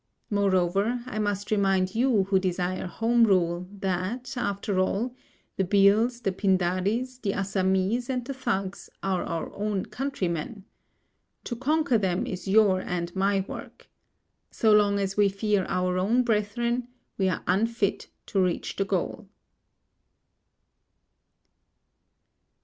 Moreover, I must remind you who desire Home Rule that, after all, the Bhils, the Pindaris, the Assamese and the Thugs are our own countrymen. To conquer them is your and my work. So long as we fear our own brethren, we are unfit to reach the goal.